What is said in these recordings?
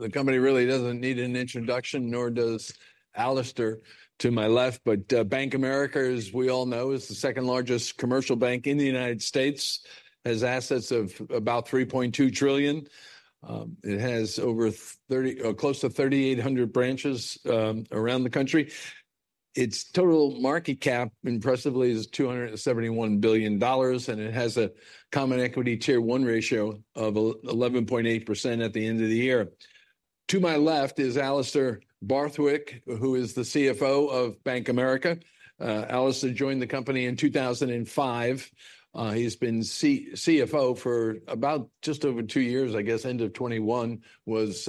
The company really doesn't need an introduction, nor does Alastair to my left. But Bank of America, as we all know, is the second-largest commercial bank in the United States, has assets of about $3.2 trillion. It has close to 3,800 branches around the country. Its total market cap, impressively, is $271 billion, and it has a common equity Tier 1 ratio of 11.8% at the end of the year. To my left is Alastair Borthwick, who is the CFO of Bank of America. Alastair joined the company in 2005. He's been CFO for about just over two years, I guess, end of 2021 was,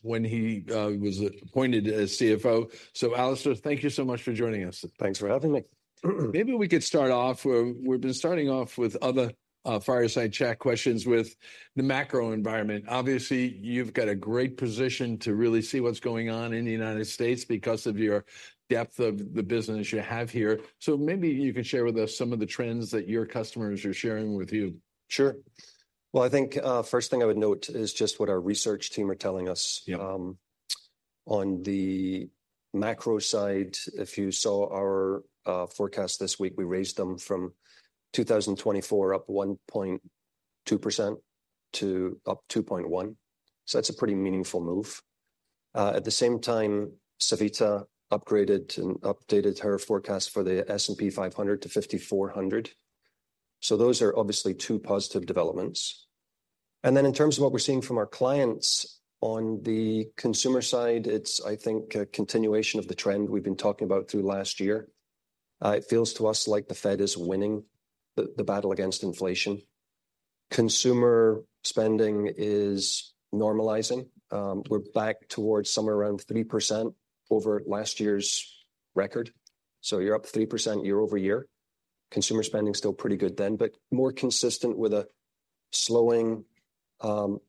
when he was appointed as CFO. So Alastair, thank you so much for joining us. Thanks for having me. Maybe we could start off. We've been starting off with other Fireside Chat questions with the macro environment. Obviously, you've got a great position to really see what's going on in the United States because of your depth of the business you have here. So maybe you can share with us some of the trends that your customers are sharing with you. Sure. Well, I think, first thing I would note is just what our research team are telling us. Yep. On the macro side, if you saw our forecast this week, we raised them from 2024, up 1.2% to up 2.1%, so that's a pretty meaningful move. At the same time, Savita upgraded and updated her forecast for the S&P 500 to 5,400, so those are obviously two positive developments. Then in terms of what we're seeing from our clients, on the consumer side, it's, I think, a continuation of the trend we've been talking about through last year. It feels to us like the Fed is winning the battle against inflation. Consumer spending is normalizing. We're back towards somewhere around 3% over last year's record, so you're up 3% year-over-year. Consumer spending's still pretty good then, but more consistent with a slowing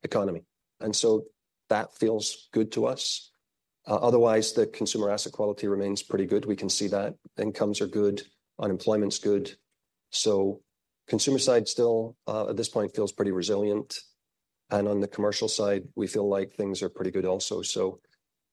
economy, and so that feels good to us. Otherwise, the consumer asset quality remains pretty good. We can see that. Incomes are good, unemployment's good, so consumer side still, at this point, feels pretty resilient, and on the commercial side, we feel like things are pretty good also. So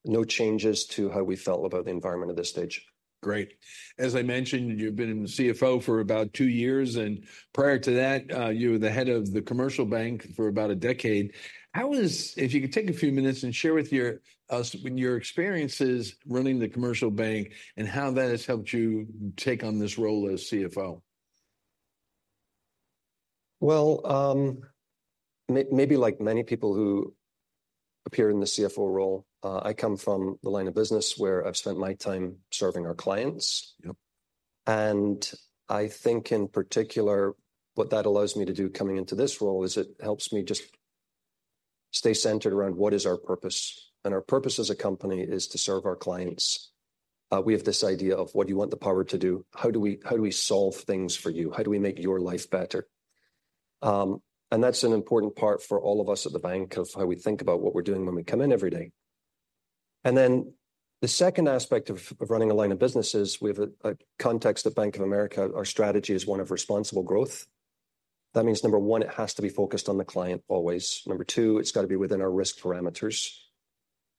no changes to how we felt about the environment at this stage. Great. As I mentioned, you've been CFO for about two years, and prior to that, you were the head of the commercial bank for about a decade. If you could take a few minutes and share with us your experiences running the commercial bank and how that has helped you take on this role as CFO? Well, maybe like many people who appear in the CFO role, I come from the line of business where I've spent my time serving our clients. Yep. I think, in particular, what that allows me to do coming into this role is it helps me just stay centered around what is our purpose, and our purpose as a company is to serve our clients. We have this idea of: What do you want the power to do? How do we, how do we solve things for you? How do we make your life better? And that's an important part for all of us at the bank of how we think about what we're doing when we come in every day. And then the second aspect of running a line of business is we have a context at Bank of America, our strategy is one of responsible growth. That means, number one, it has to be focused on the client always. Number two, it's got to be within our risk parameters.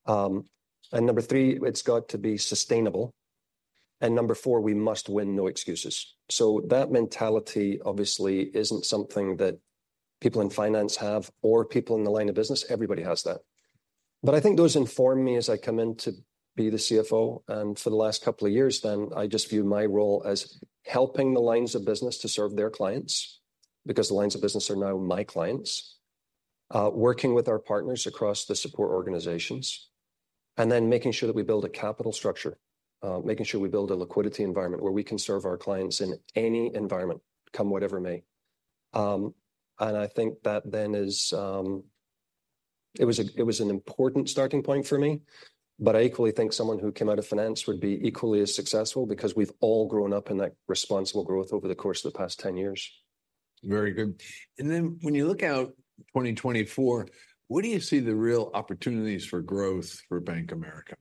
And number three, it's got to be sustainable, and number four, we must win, no excuses. So that mentality obviously isn't something that people in finance have or people in the line of business. Everybody has that. But I think those informed me as I come in to be the CFO, and for the last couple of years then, I just view my role as helping the lines of business to serve their clients because the lines of business are now my clients, working with our partners across the support organizations, and then making sure that we build a capital structure, making sure we build a liquidity environment where we can serve our clients in any environment, come whatever may. And I think that, then, is. It was, it was an important starting point for me, but I equally think someone who came out of finance would be equally as successful because we've all grown up in that responsible growth over the course of the past 10 years. Very good. When you look out 2024, where do you see the real opportunities for growth for Bank of America?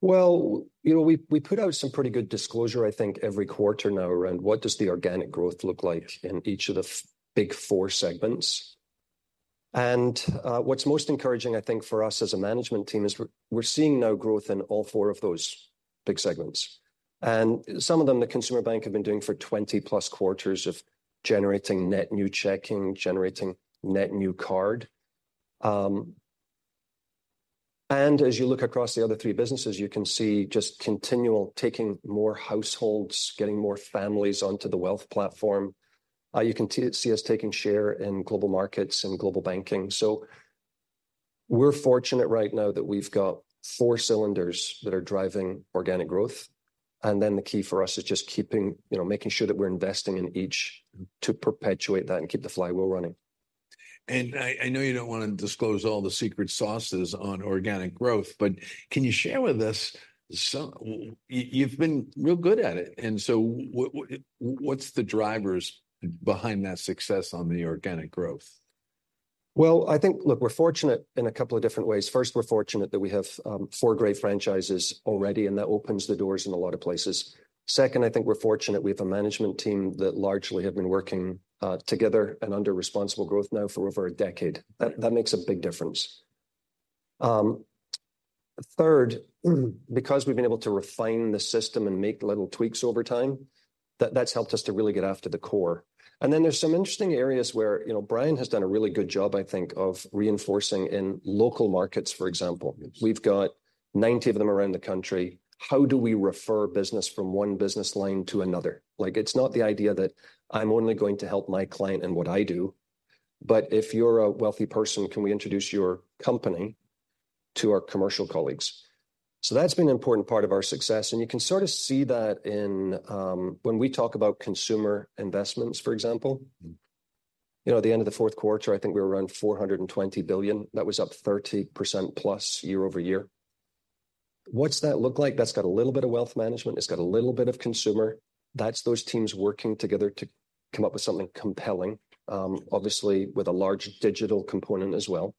Well, you know, we put out some pretty good disclosure, I think, every quarter now around what does the organic growth look like in each of the big four segments? And, what's most encouraging, I think, for us as a management team is we're, we're seeing now growth in all four of those big segments. And some of them, the Consumer Banking have been doing for 20+ quarters of generating net new checking, generating net new card. And as you look across the other three businesses, you can see just continual taking more households, getting more families onto the Wealth Management platform. You can see us taking share in Global Markets and Global Banking. So we're fortunate right now that we've got four cylinders that are driving organic growth, and then the key for us is just keeping, you know, making sure that we're investing in each to perpetuate that and keep the flywheel running. And I know you don't want to disclose all the secret sauces on organic growth, but can you share with us some? Yeah, you've been real good at it, and so what's the drivers behind that success on the organic growth? Well, I think, look, we're fortunate in a couple of different ways. First, we're fortunate that we have four great franchises already, and that opens the doors in a lot of places. Second, I think we're fortunate we have a management team that largely have been working together and under responsible growth now for over a decade. That, that makes a big difference. Third, because we've been able to refine the system and make little tweaks over time, that- that's helped us to really get after the core. And then there's some interesting areas where, you know, Brian has done a really good job, I think, of reinforcing in local markets, for example. We've got 90 of them around the country. How do we refer business from one business line to another? Like, it's not the idea that I'm only going to help my client in what I do, but if you're a wealthy person, can we introduce your company to our commercial colleagues? So that's been an important part of our success, and you can sort of see that in, when we talk about Consumer Investments, for example. You know, at the end of the fourth quarter, I think we were around $420 billion. That was up 30%+ year-over-year. What's that look like? That's got a little bit of wealth management. It's got a little bit of consumer. That's those teams working together to come up with something compelling, obviously with a large digital component as well.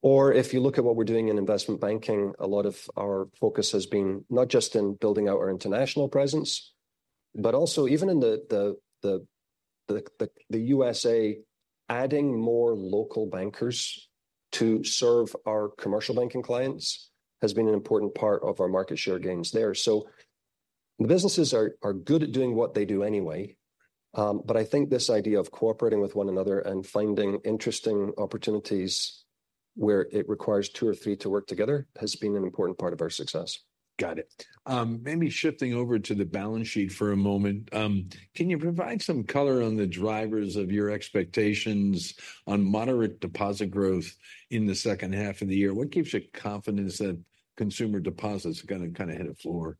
Or if you look at what we're doing in investment banking, a lot of our focus has been not just in building out our international presence, but also, even in the USA, adding more local bankers to serve our commercial banking clients has been an important part of our market share gains there. So the businesses are good at doing what they do anyway, but I think this idea of cooperating with one another and finding interesting opportunities where it requires two or three to work together has been an important part of our success. Got it. Maybe shifting over to the balance sheet for a moment, can you provide some color on the drivers of your expectations on moderate deposit growth in the second half of the year? What gives you confidence that consumer deposits are gonna kind of hit a floor?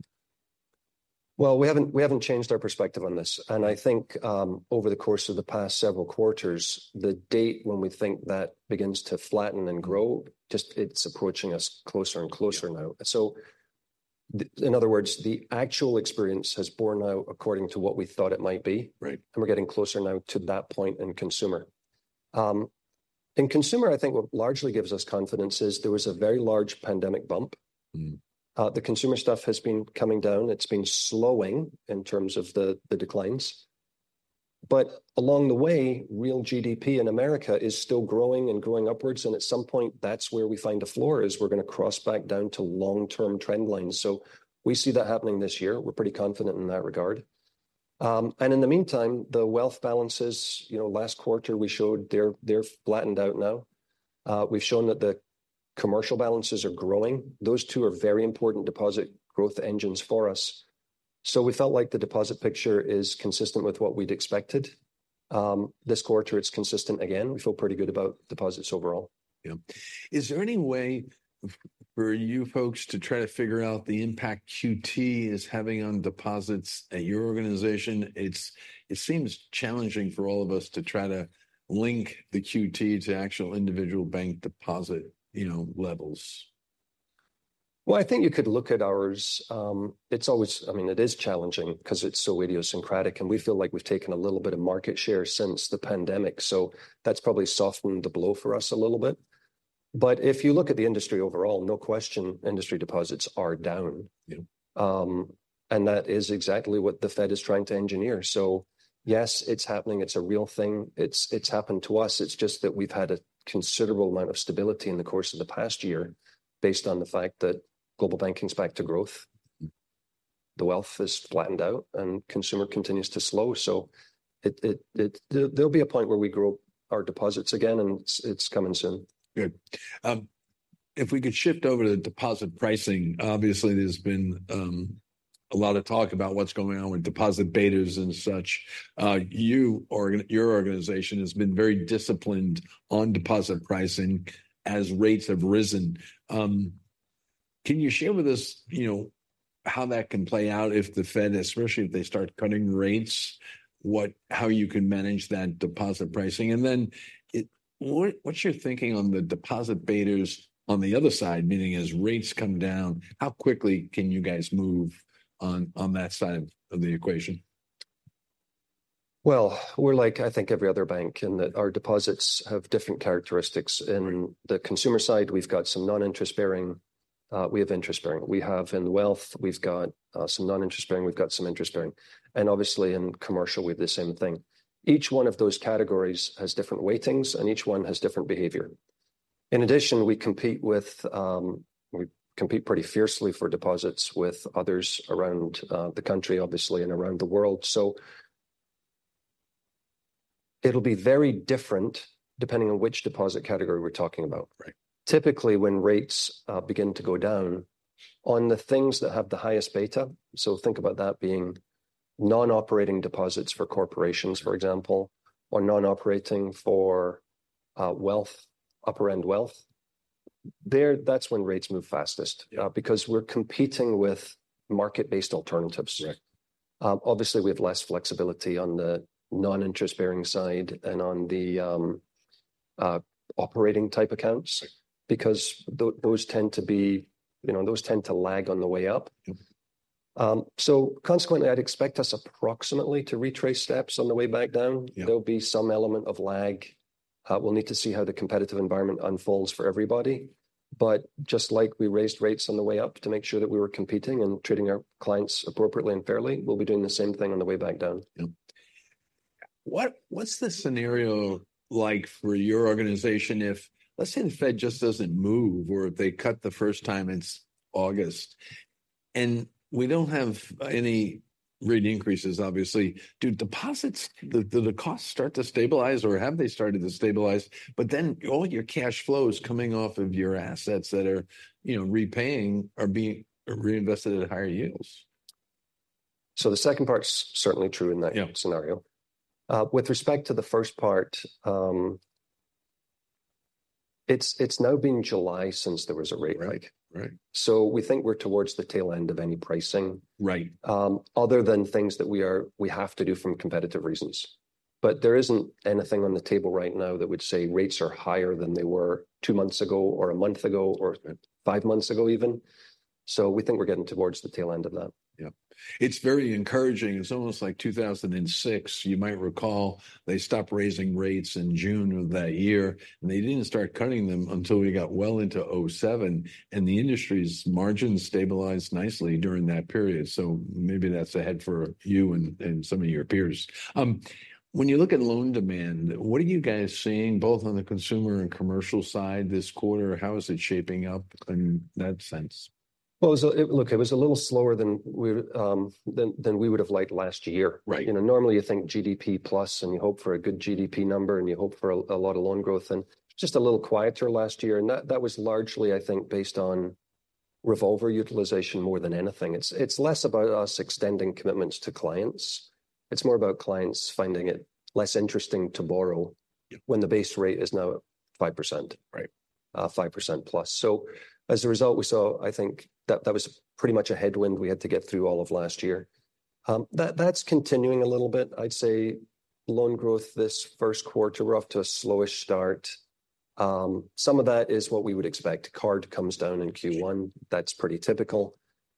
Well, we haven't changed our perspective on this, and I think, over the course of the past several quarters, the date when we think that begins to flatten and grow, just it's approaching us closer and closer now. Yeah. In other words, the actual experience has borne out according to what we thought it might be. Right And we're getting closer now to that point in consumer. In consumer, I think what largely gives us confidence is there was a very large pandemic bump. The consumer stuff has been coming down. It's been slowing in terms of the declines, but along the way, real GDP in America is still growing and growing upwards, and at some point, that's where we find a floor is we're gonna cross back down to long-term trend lines. So we see that happening this year. We're pretty confident in that regard. And in the meantime, the wealth balances, you know, last quarter we showed, they're flattened out now. We've shown that the commercial balances are growing. Those two are very important deposit growth engines for us, so we felt like the deposit picture is consistent with what we'd expected. This quarter it's consistent again. We feel pretty good about deposits overall. Yeah. Is there any way for you folks to try to figure out the impact QT is having on deposits at your organization? It seems challenging for all of us to try to link the QT to actual individual bank deposit, you know, levels. Well, I think you could look at ours. It's always, I mean, it is challenging 'cause it's so idiosyncratic, and we feel like we've taken a little bit of market share since the pandemic, so that's probably softened the blow for us a little bit. But if you look at the industry overall, no question, industry deposits are down. Yeah. That is exactly what the Fed is trying to engineer. Yes, it's happening. It's a real thing. It's, it's happened to us. It's just that we've had a considerable amount of stability in the course of the past year based on the fact that Global Banking's back to growth. The wealth has flattened out, and consumer continues to slow, so there'll be a point where we grow our deposits again, and it's coming soon. Good. If we could shift over to deposit pricing, obviously there's been a lot of talk about what's going on with deposit betas and such. Your organization has been very disciplined on deposit pricing as rates have risen. Can you share with us, you know, how that can play out if the Fed, especially if they start cutting rates, what, how you can manage that deposit pricing? And then what, what's your thinking on the deposit betas on the other side, meaning as rates come down, how quickly can you guys move on, on that side of the equation? Well, we're like, I think, every other bank in that our deposits have different characteristics. In the consumer side, we've got some non-interest-bearing. We have interest-bearing. We have, in wealth, we've got some non-interest-bearing. We've got some interest-bearing, and obviously in commercial, we've the same thing. Each one of those categories has different weightings, and each one has different behavior. In addition, we compete pretty fiercely for deposits with others around the country, obviously, and around the world. So it'll be very different depending on which deposit category we're talking about. Right. Typically, when rates begin to go down, on the things that have the highest beta, so think about that being non-operating deposits for corporations, for example, or non-operating for wealth, upper-end wealth, there, that's when rates move fastest because we're competing with market-based alternatives. Right. Obviously, we have less flexibility on the non-interest-bearing side and on the operating-type accounts because those tend to be, you know, those tend to lag on the way up. So consequently, I'd expect us approximately to retrace steps on the way back down. Yeah. There'll be some element of lag. We'll need to see how the competitive environment unfolds for everybody, but just like we raised rates on the way up to make sure that we were competing and treating our clients appropriately and fairly, we'll be doing the same thing on the way back down. What's the scenario like for your organization if, let's say, the Fed just doesn't move, or if they cut the first time since August, and we don't have any rate increases, obviously? Do deposits- the costs start to stabilize, or have they started to stabilize? But then all your cash flow is coming off of your assets that are, you know, repaying or being, or reinvested at higher yields. The second part's certainly true in that scenario. With respect to the first part, it's now been July since there was a rate hike. Right. Right. We think we're towards the tail end of any pricing. Right Other than things that we have to do from competitive reasons. But there isn't anything on the table right now that would say rates are higher than they were two months ago, or a month ago, or five months ago even. So we think we're getting towards the tail end of that. Yeah. It's very encouraging. It's almost like 2006. You might recall, they stopped raising rates in June of that year, and they didn't start cutting them until we got well into 2007, and the industry's margins stabilized nicely during that period, so maybe that's ahead for you and, and some of your peers. When you look at loan demand, what are you guys seeing, both on the consumer and commercial side this quarter? How is it shaping up in that sense? Well, so look, it was a little slower than we would've liked last year. Right. You know, normally you think GDP plus, and you hope for a good GDP number, and you hope for a lot of loan growth, and just a little quieter last year. And that, that was largely, I think, based on revolver utilization more than anything. It's, it's less about us extending commitments to clients, it's more about clients finding it less interesting to borrow when the base rate is now at 5%. Right. 5%+. So as a result, we saw, I think, that was pretty much a headwind we had to get through all of last year. That, that's continuing a little bit. I'd say loan growth this first quarter, we're off to a slowish start. Some of that is what we would expect. Card comes down in Q1, that's pretty typical.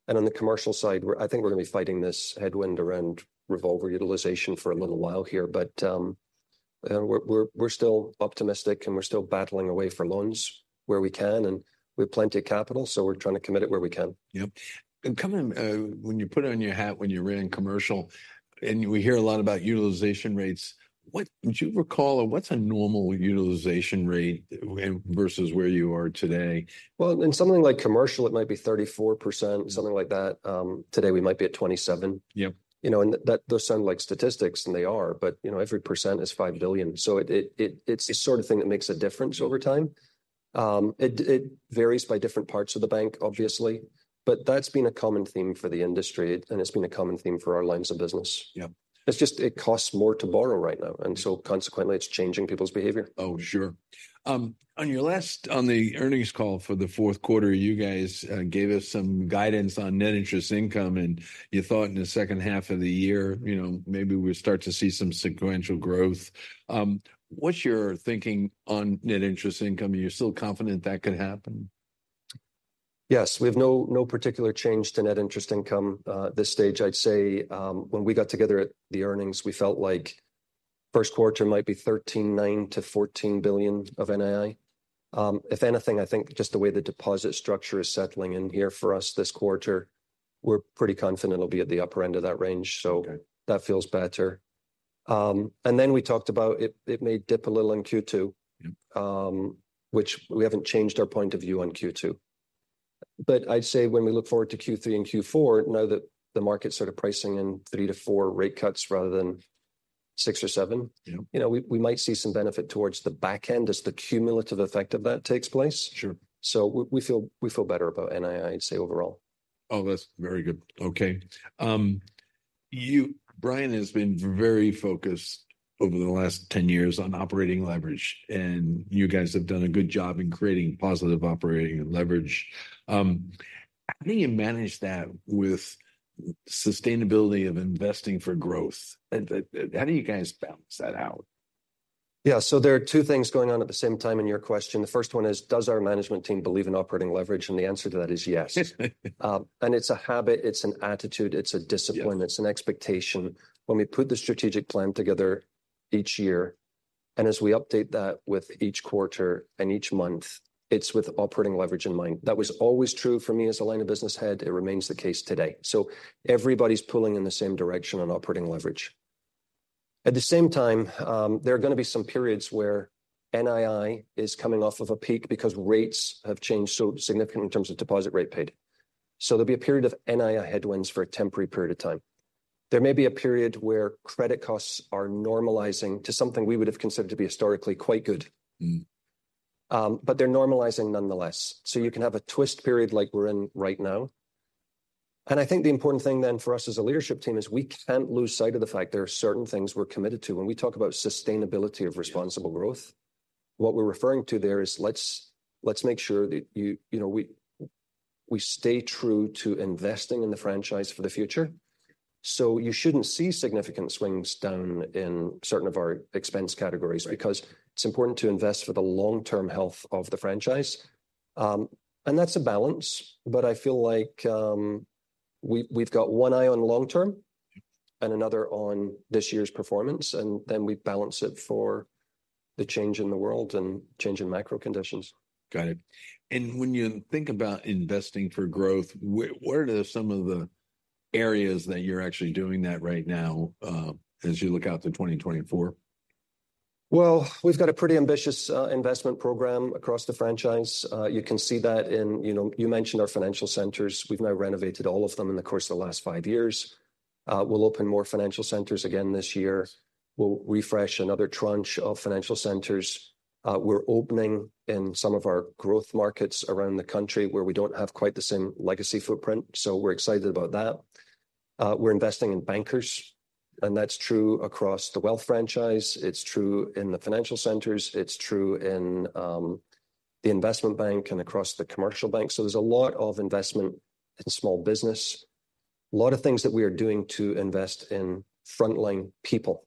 And on the commercial side, we're, I think we're gonna be fighting this headwind around revolver utilization for a little while here, but, we're still optimistic, and we're still battling away for loans where we can, and we have plenty of capital, so we're trying to commit it where we can. Yep. And coming, when you put on your hat when you were in commercial, and we hear a lot about utilization rates, do you recall, what's a normal utilization rate versus where you are today? Well, in something like commercial, it might be 34%, something like that. Today, we might be at 27%. Yep. You know, and those sound like statistics, and they are, but, you know, every 1% is $5 billion, so it's the sort of thing that makes a difference over time. It varies by different parts of the bank, obviously, but that's been a common theme for the industry, and it's been a common theme for our lines of business. Yep. It's just, it costs more to borrow right now, and so consequently, it's changing people's behavior. Oh, sure. On the earnings call for the fourth quarter, you guys gave us some guidance on net interest income, and you thought in the second half of the year, you know, maybe we'd start to see some sequential growth. What's your thinking on net interest income? Are you still confident that could happen? Yes. We have no, no particular change to net interest income, at this stage. I'd say, when we got together at the earnings, we felt like first quarter might be $13.9 billion-$14 billion of NII. If anything, I think just the way the deposit structure is settling in here for us this quarter, we're pretty confident it'll be at the upper end of that range. Okay So that feels better. And then we talked about it, it may dip a little in Q2. Yep Which we haven't changed our point of view on Q2. But I'd say when we look forward to Q3 and Q4, now that the market's sort of pricing in 3-4 rate cuts rather than 6 or 7. Yep You know, we might see some benefit towards the back end as the cumulative effect of that takes place. Sure. So we feel better about NII, I'd say, overall. Oh, that's very good. Okay. Brian has been very focused over the last 10 years on operating leverage, and you guys have done a good job in creating positive operating leverage. How do you manage that with sustainability of investing for growth? And how do you guys balance that out? Yeah, so there are two things going on at the same time in your question. The first one is, does our management team believe in operating leverage? And the answer to that is yes. And it's a habit, it's an attitude, it's a discipline- Yep It's an expectation. When we put the strategic plan together each year, and as we update that with each quarter and each month, it's with operating leverage in mind. That was always true for me as a line of business head; it remains the case today. So everybody's pulling in the same direction on operating leverage. At the same time, there are gonna be some periods where NII is coming off of a peak because rates have changed so significant in terms of deposit rate paid. So there'll be a period of NII headwinds for a temporary period of time. There may be a period where credit costs are normalizing to something we would've considered to be historically quite good but they're normalizing nonetheless. Right. You can have a twist period like we're in right now. I think the important thing then for us as a leadership team is we can't lose sight of the fact there are certain things we're committed to. When we talk about sustainability of responsible growth, what we're referring to there is let's make sure that, you know, we stay true to investing in the franchise for the future. So you shouldn't see significant swings down in certain of our expense categories-because it's important to invest for the long-term health of the franchise. And that's a balance, but I feel like we've got one eye on long-term and another on this year's performance, and then we balance it for the change in the world and change in macro conditions. Got it. When you think about investing for growth, where are some of the areas that you're actually doing that right now, as you look out to 2024? Well, we've got a pretty ambitious investment program across the franchise. You can see that in, you know, you mentioned our Financial Centers. We've now renovated all of them in the course of the last five years. We'll open more Financial Centers again this year. We'll refresh another tranche of Financial Centers. We're opening in some of our growth markets around the country where we don't have quite the same legacy footprint, so we're excited about that. We're investing in bankers, and that's true across the wealth franchise. It's true in the Financial Centers. It's true in the investment bank and across the commercial bank. So there's a lot of investment in small business, a lot of things that we are doing to invest in front-line people.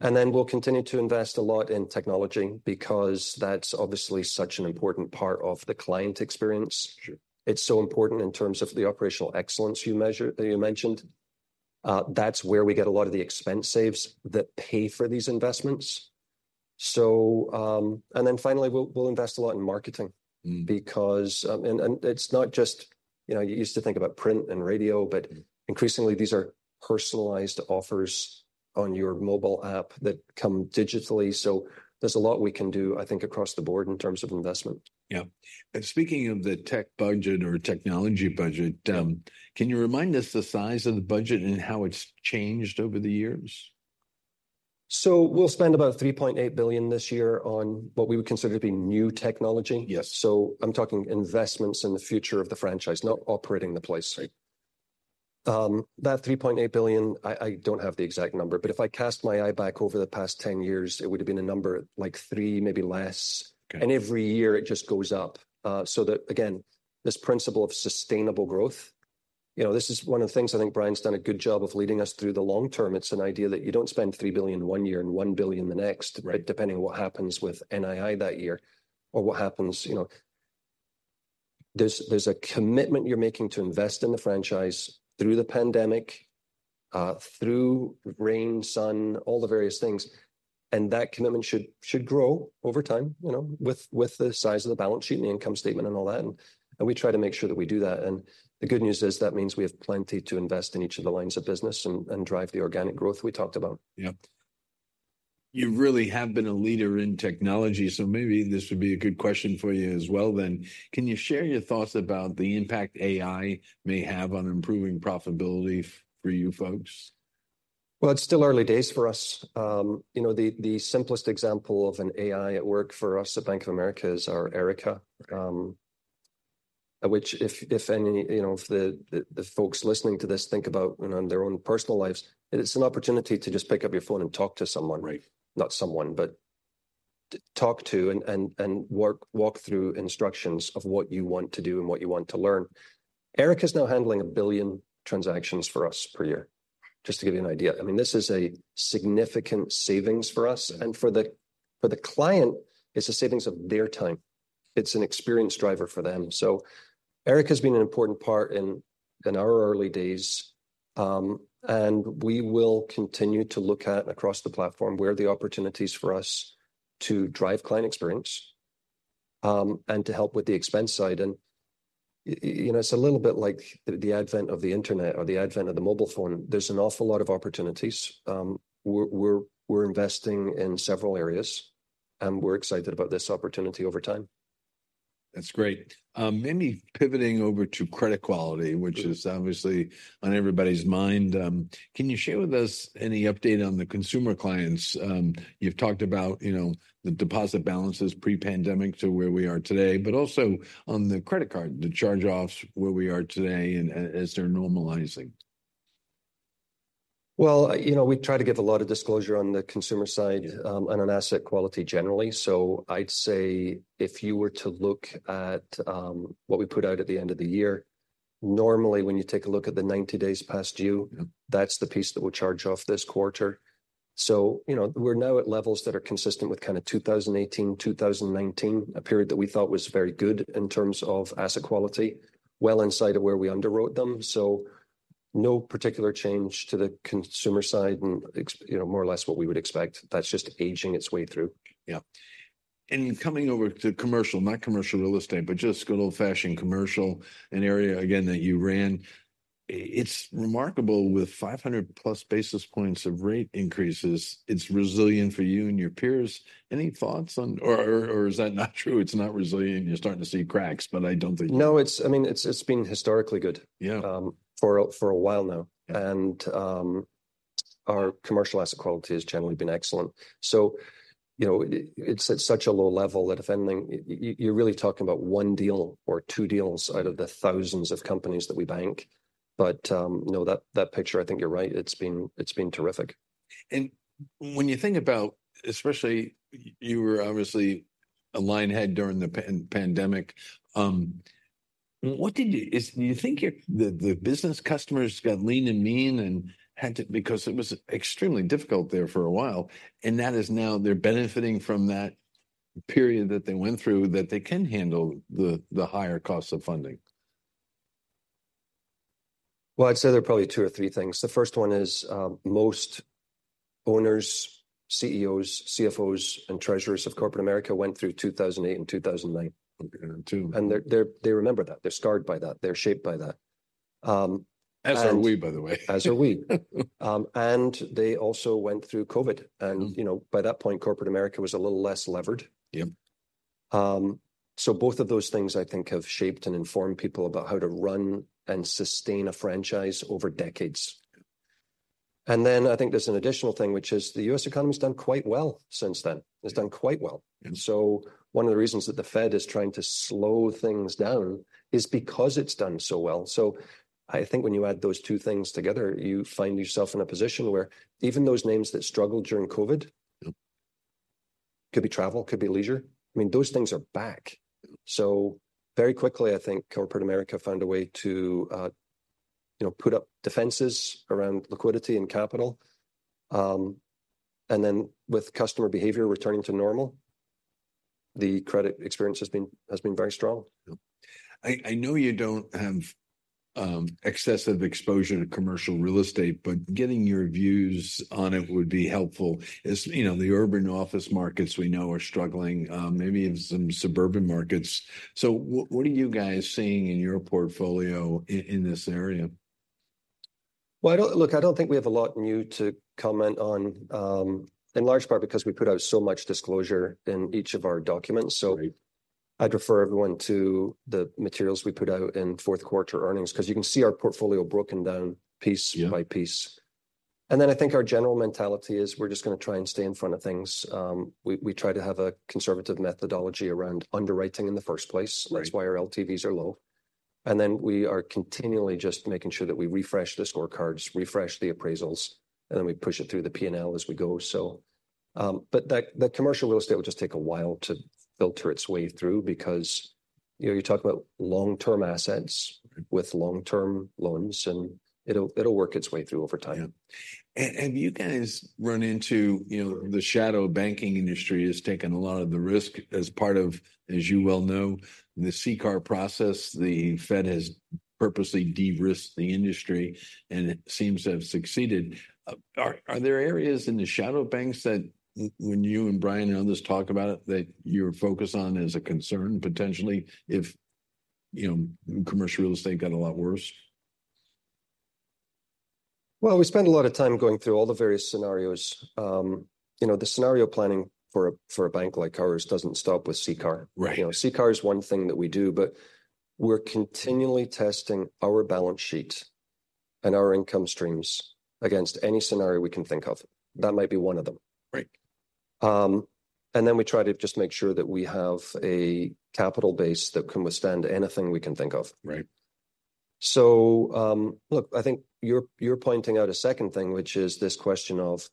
And then we'll continue to invest a lot in technology because that's obviously such an important part of the client experience. Sure. It's so important in terms of the operational excellence you measure that you mentioned. That's where we get a lot of the expense saves that pay for these investments. So, and then finally, we'll invest a lot in marketing because, and it's not just, you know, you used to think about print and radio, but increasingly, these are personalized offers on your mobile app that come digitally. So there's a lot we can do, I think, across the board in terms of investment. Yeah. Speaking of the tech budget or technology budget, can you remind us the size of the budget and how it's changed over the years? We'll spend about $3.8 billion this year on what we would consider to be new technology. Yes. I'm talking investments in the future of the franchise, not operating the place. Right. That $3.8 billion, I don't have the exact number, but if I cast my eye back over the past 10 years, it would've been a number like $3 billion, maybe less. Okay. Every year it just goes up. So that, again, this principle of sustainable growth, you know, this is one of the things I think Brian's done a good job of leading us through the long term. It's an idea that you don't spend $3 billion one year and $1 billion the next depending on what happens with NII that year or what happens, you know. There's a commitment you're making to invest in the franchise through the pandemic, through rain, sun, all the various things, and that commitment should grow over time, you know, with the size of the balance sheet and the income statement and all that, and we try to make sure that we do that. And the good news is, that means we have plenty to invest in each of the lines of business and drive the organic growth we talked about. Yeah. You really have been a leader in technology, so maybe this would be a good question for you as well then. Can you share your thoughts about the impact AI may have on improving profitability for you folks? Well, it's still early days for us. You know, the simplest example of an AI at work for us at Bank of America is our Erica which, if any, you know, if the folks listening to this think about, you know, in their own personal lives, it's an opportunity to just pick up your phone and talk to someone. Right. Not someone, but to talk to and work, walk through instructions of what you want to do and what you want to learn. Erica's now handling 1 billion transactions for us per year, just to give you an idea. I mean, this is a significant savings for us. Yeah. For the client, it's a savings of their time. It's an experience driver for them. So Erica's been an important part in our early days, and we will continue to look at, across the platform, where are the opportunities for us to drive client experience, and to help with the expense side. You know, it's a little bit like the advent of the internet or the advent of the mobile phone. There's an awful lot of opportunities. We're investing in several areas, and we're excited about this opportunity over time. That's great. Maybe pivoting over to credit quality which is obviously on everybody's mind, can you share with us any update on the consumer clients? You've talked about, you know, the deposit balances pre-pandemic to where we are today, but also on the credit card, the charge-offs, where we are today and as they're normalizing. Well, you know, we try to give a lot of disclosure on the consumer side and on asset quality generally. So I'd say if you were to look at, what we put out at the end of the year, normally, when you take a look at the 90 days past due. that's the piece that we'll charge off this quarter. So, you know, we're now at levels that are consistent with kind of 2018, 2019, a period that we thought was very good in terms of asset quality, well inside of where we underwrote them. So no particular change to the consumer side, and ex- you know, more or less what we would expect. That's just aging its way through. Yeah. And coming over to commercial, not commercial real estate, but just good old-fashioned commercial, an area, again, that you ran, it's remarkable, with 500+ basis points of rate increases, it's resilient for you and your peers. Any thoughts on, or is that not true? It's not resilient, and you're starting to see cracks, but I don't think you are. No, I mean, it's been historically good for a while now. Yeah. Our commercial asset quality has generally been excellent. So, you know, it's at such a low level that if anything, you're really talking about one deal or two deals out of the thousands of companies that we bank. But, no, that picture, I think you're right, it's been, it's been terrific. When you think about, especially, you were obviously a line head during the pandemic, what did you... Is, do you think your, the business customers got lean and mean and had to because it was extremely difficult there for a while, and that is now, they're benefiting from that period that they went through, that they can handle the higher costs of funding? Well, I'd say there are probably two or three things. The first one is, most owners, CEOs, CFOs, and treasurers of corporate America went through 2008 and 2009. Yeah. And they remember that. They're scarred by that. They're shaped by that. As are we, by the way. As are we. And they also went through COVID. And, you know, by that point, corporate America was a little less levered. Yep. So both of those things, I think, have shaped and informed people about how to run and sustain a franchise over decades. And then I think there's an additional thing, which is the U.S. economy's done quite well since then. Yeah. It's done quite well. One of the reasons that the Fed is trying to slow things down is because it's done so well. So I think when you add those two things together, you find yourself in a position where even those names that struggled during COVID could be travel, could be leisure, I mean, those things are back. So very quickly, I think corporate America found a way to, you know, put up defenses around liquidity and capital. And then with customer behavior returning to normal, the credit experience has been very strong. Yeah. I know you don't have excessive exposure to commercial real estate, but getting your views on it would be helpful. As you know, the urban office markets we know are struggling, maybe in some suburban markets. So what are you guys seeing in your portfolio in this area? Well, Look, I don't think we have a lot new to comment on, in large part because we put out so much disclosure in each of our documents. Right. I'd refer everyone to the materials we put out in fourth quarter earnings, 'cause you can see our portfolio broken down piece by piece. And then I think our general mentality is we're just gonna try and stay in front of things. We try to have a conservative methodology around underwriting in the first place. Right. That's why our LTVs are low. And then we are continually just making sure that we refresh the scorecards, refresh the appraisals, and then we push it through the P&L as we go. So, but that, the commercial real estate will just take a while to filter its way through because, you know, you talk about long-term assets with long-term loans, and it'll, it'll work its way through over time. Yeah. And you guys run into, you know, the shadow banking industry has taken a lot of the risk as part of, as you well know, the CCAR process. The Fed has purposely de-risked the industry, and it seems to have succeeded. Are there areas in the shadow banks that when you and Brian and others talk about it, that you're focused on as a concern, potentially, if, you know, commercial real estate got a lot worse? Well, we spend a lot of time going through all the various scenarios. You know, the scenario planning for a bank like ours doesn't stop with CCAR. Right. You know, CCAR is one thing that we do, but we're continually testing our balance sheet and our income streams against any scenario we can think of. That might be one of them. Right. We try to just make sure that we have a capital base that can withstand anything we can think of. Right. So, look, I think you're, you're pointing out a second thing, which is this question of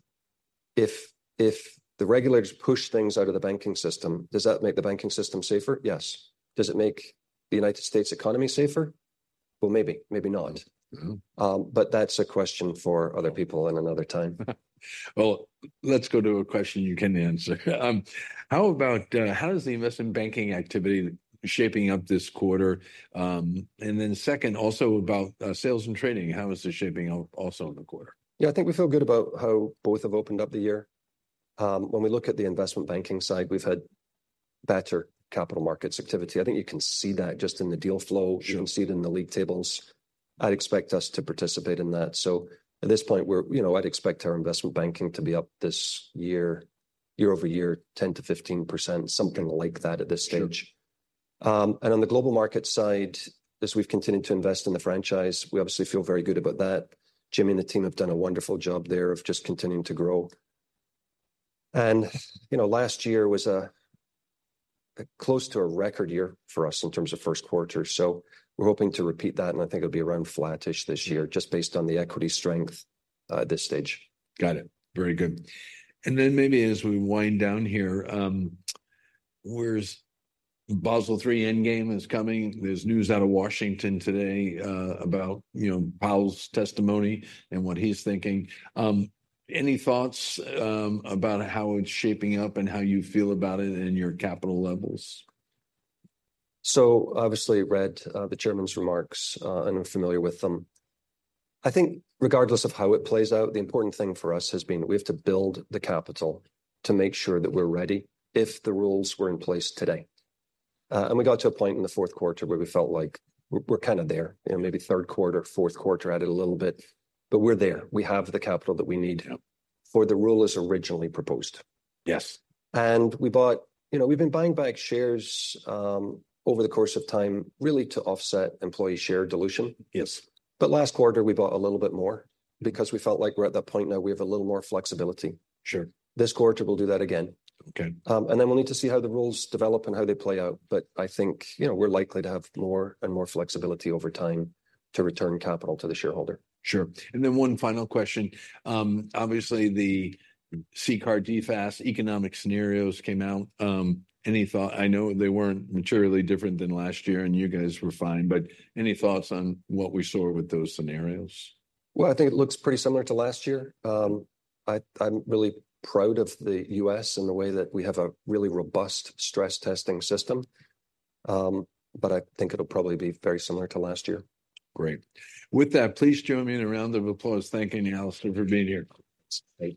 if, if the regulators push things out of the banking system, does that make the banking system safer? Yes. Does it make the United States economy safer? Well, maybe, maybe not. But that's a question for other people and another time. Well, let's go to a question you can answer. How about how is the Investment Banking activity shaping up this quarter? And then second, also about sales and trading, how is this shaping up also in the quarter? Yeah, I think we feel good about how both have opened up the year. When we look at the investment banking side, we've had better capital markets activity. I think you can see that just in the deal flow. Sure. You can see it in the league tables. I'd expect us to participate in that. So at this point, you know, I'd expect our Investment Banking to be up this year, year-over-year, 10%-15%, something like that at this stage. Sure. And on the Global Markets side, as we've continued to invest in the franchise, we obviously feel very good about that. Jim and the team have done a wonderful job there of just continuing to grow. And, you know, last year was a close to a record year for us in terms of first quarter, so we're hoping to repeat that, and I think it'll be around flattish this year just based on the equity strength, at this stage. Got it. Very good. And then maybe as we wind down here, Basel III Endgame is coming. There's news out of Washington today about, you know, Powell's testimony and what he's thinking. Any thoughts about how it's shaping up and how you feel about it and your capital levels? So obviously, read the Chairman's remarks, and I'm familiar with them. I think regardless of how it plays out, the important thing for us has been we have to build the capital to make sure that we're ready if the rules were in place today. And we got to a point in the fourth quarter where we felt like we're kind of there, you know, maybe third quarter, fourth quarter, add a little bit, but we're there. We have the capital that we need for the rule as originally proposed. Yes. We bought, you know, we've been buying back shares over the course of time, really to offset employee share dilution. Yes. But last quarter, we bought a little bit more because we felt like we're at that point now where we have a little more flexibility. Sure. This quarter, we'll do that again. Okay. And then we'll need to see how the rules develop and how they play out, but I think, you know, we're likely to have more and more flexibility over time to return capital to the shareholder. Sure. And then one final question. Obviously, the CCAR, DFAST economic scenarios came out. Any thought- I know they weren't materially different than last year, and you guys were fine, but any thoughts on what we saw with those scenarios? Well, I think it looks pretty similar to last year. I'm really proud of the U.S. and the way that we have a really robust stress-testing system. But I think it'll probably be very similar to last year. Great. With that, please join me in a round of applause, thanking Alastair for being here. Thank you.